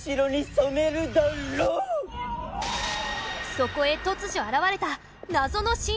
そこへ突如現れた。